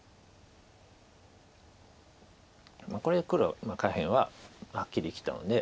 これで黒下辺ははっきり生きたので。